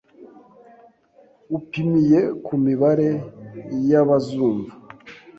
upimiye ku mibare y’abazumva